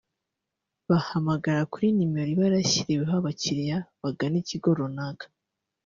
bahamagara kuri nimero iba yarashyiriweho abakiliya bagana ikigo runaka